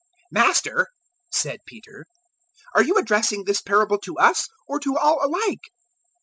012:041 "Master," said Peter, "are you addressing this parable to us, or to all alike?"